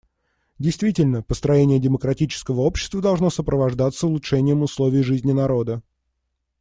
Действительно, построение демократического общества должно сопровождаться улучшением условий жизни народа.